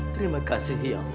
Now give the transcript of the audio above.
terima kasih ya allah